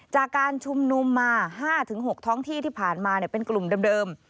จากการชุมนุมมา๕๖ท้องที่ที่ผ่านมาเป็นกลุ่มเดิม